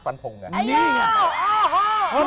เพราะเขาไม่เจอรัก